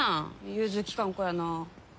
融通利かん子やな。